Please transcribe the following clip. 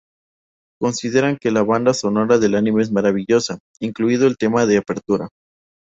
Consideran que "la banda sonora del anime es maravillosa, incluido el tema de apertura".